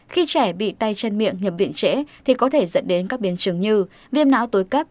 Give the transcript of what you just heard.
khi trẻ bị tay chân miệng nhập viện trễ thì có thể dẫn đến các biến chứng như viêm não tối cấp